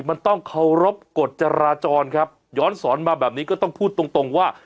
มันต้องเคารพกฎจราจรครับย้อนสอนมาแบบนี้ก็ต้องพูดตรงตรงว่า